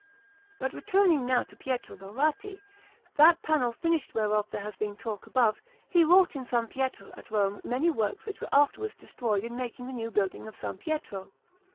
But returning now to Pietro Laurati; that panel finished whereof there has been talk above, he wrought in S. Pietro at Rome many works which were afterwards destroyed in making the new building of S. Pietro.